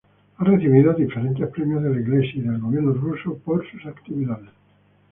Ha recibido diferentes premios de la Iglesia y del gobierno ruso por sus actividades.